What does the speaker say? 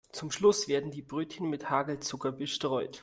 Zum Schluss werden die Brötchen mit Hagelzucker bestreut.